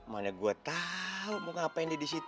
mana gue tahu mau ngapain dia di situ